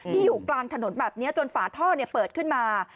อยู่กลางถนนแบบนี้จนฝาท่อเปิดขึ้นมา